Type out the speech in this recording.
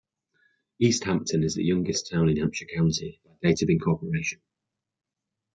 Easthampton is the youngest town in Hampshire County by date of incorporation.